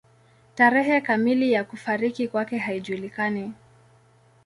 Tarehe kamili ya kufariki kwake haijulikani.